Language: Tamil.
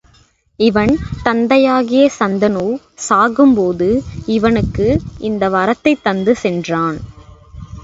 இவன் தந்தையாகிய சந்தனு சாகும்போது இவனுக்கு இந்த வரத்தைத் தந்து சென்றான்.